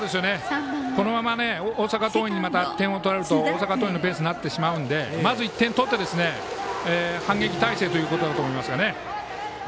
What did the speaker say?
このまま大阪桐蔭に点を取られると大阪桐蔭のペースになるのでまず１点取って反撃態勢ということだと思います。